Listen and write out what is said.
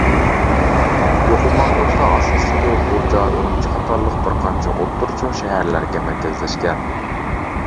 يۇقۇملانغۇچىلار ئاساسلىقى غۇلجا، ئۈرۈمچى قاتارلىق بىر قانچە ئوتتۇرا چوڭ شەھەرلەرگە مەركەزلەشكەن.